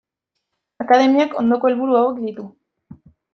Akademiak ondoko helburu hauek ditu.